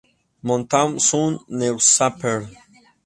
Montauk Sun Newspaper.